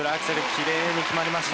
きれいに決まりました。